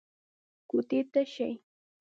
کوټې ته شئ.